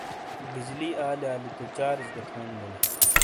بجلی آلیالی تو چارج گہ تھون بیلے۔